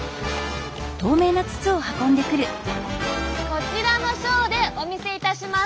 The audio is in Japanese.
こちらのショーでお見せいたします！